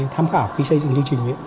tham khảo khi xây dựng chương trình